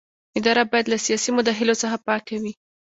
اداره باید له سیاسي مداخلو څخه پاکه وي.